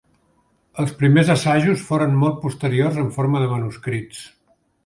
Els primers assajos foren molt posteriors, en forma de manuscrits.